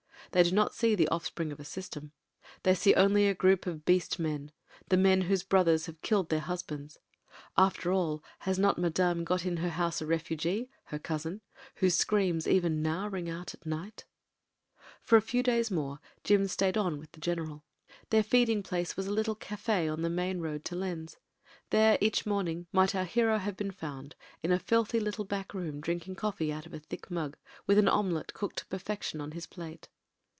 They do not see the offspring of a system; they only see a group of beast men — the men whose brothers have killed their husbands. After all, has not Madame got in her house a refugee — her cousin — ^whose screams even now ring out at night ...?••■•• For a few days more Jim stayed on with the gen eral. Their feeding place was a little cafe on the main road to Lens. There each morning might our hero have been found, in a filthy little back room, drinking coffee out of a thick mug, with an omelette cooked to perfection on his plate.